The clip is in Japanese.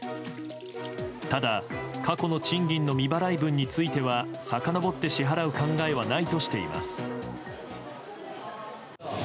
ただ、過去の賃金の未払い分についてはさかのぼって支払う考えはないとしています。